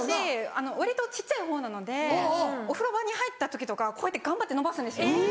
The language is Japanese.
私割と小っちゃいほうなのでお風呂場に入った時とかこうやって頑張って伸ばすんですよ。